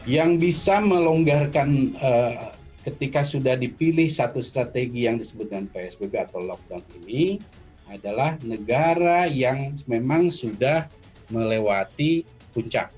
yang bisa melonggarkan ketika sudah dipilih satu strategi yang disebutkan psbb atau lockdown ini adalah negara yang memang sudah melewati puncak